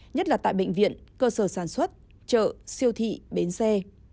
nhất là tại bệnh viện cơ sở sản xuất chợ siêu thị bến xe